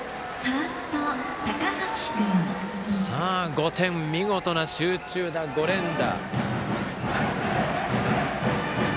５点、見事な集中打、５連打。